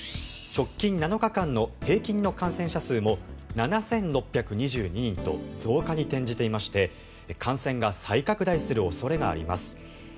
直近７日間の平均の感染者数も７６２２人と増加に転じていまして感染が再拡大する恐れがあります。